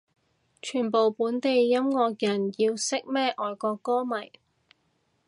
全部本地音樂人要識咩外國歌迷